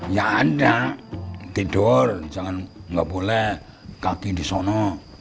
ya ada tidur jangan nggak boleh kaki di sana